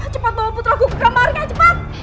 cepat tolong putraku ke kamarnya cepat